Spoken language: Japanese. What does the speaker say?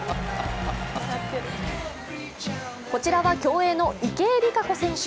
こちらは競泳の池江璃花子選手。